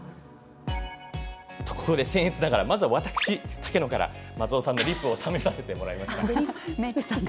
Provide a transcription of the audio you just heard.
せん越ながらまずは私、竹野から松尾さんのリップを試させてもらいました。